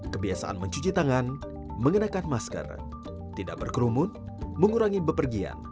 kebiasaan mencuci tangan mengenakan masker tidak berkerumun mengurangi bepergian